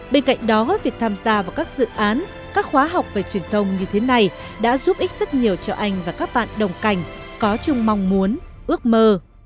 bên cạnh đó việc tham gia vào các dự án các khóa học về truyền thông như thế này đã giúp ích rất nhiều cho anh và các bạn đồng cảnh có chung mong muốn ước mơ